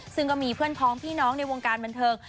ซึ่งก็มีเพื่อนพ้องพี่น้องในวงการบันเทิง